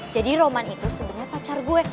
jadi roman itu sebenernya pacar gue